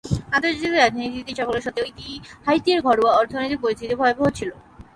আন্তর্জাতিক রাজনীতিতে এই সাফল্য সত্ত্বেও হাইতির ঘরোয়া অর্থনৈতিক পরিস্থিতি ভয়াবহ ছিল।